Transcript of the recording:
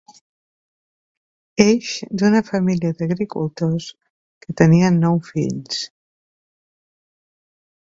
Eix d'una família d'agricultors que tenien nou fills.